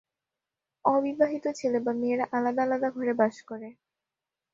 অবিবাহিত ছেলে বা মেয়েরা আলাদা আলাদা ঘরে বাস করে।